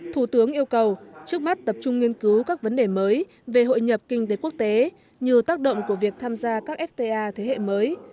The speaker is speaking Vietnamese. thủ tướng yêu cầu trước mắt tập trung nghiên cứu các vấn đề mới về hội nhập kinh tế quốc tế như tác động của việc tham gia các fta thế hệ mới